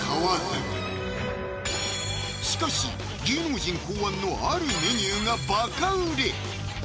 しかし芸能人考案のあるメニューがバカ売れ！